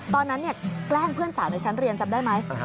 แกล้งเพื่อนสาวในชั้นเรียนจำได้ไหม